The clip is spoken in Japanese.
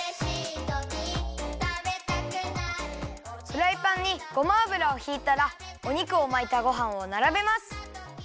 フライパンにごま油をひいたらお肉を巻いたごはんをならべます。